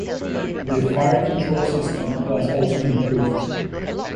The fire-control system was also improved.